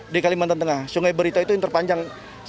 di kalimantan tengah sungai berita itu yang terpanjang